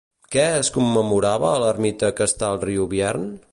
Què es commemorava a l'ermita que està al riu Biern?